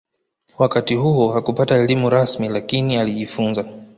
Wakati huo hakupata elimu rasmi lakini alijifunza